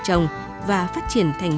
trồng và phát triển thành